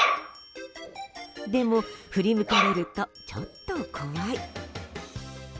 でも、振り向かれるとちょっと怖い。